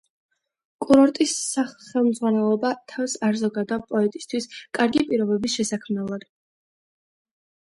კურორტის ხელმძღვანელობა თავს არ ზოგავდა პოეტისთვის კარგი პირობების შესაქმნელად.